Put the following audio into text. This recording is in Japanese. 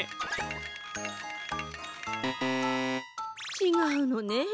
ちがうのね。